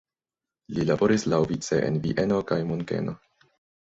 Li laboris laŭvice en Vieno kaj Munkeno.